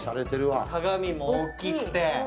鏡も大きくて。